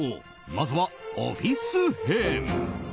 まずはオフィス編。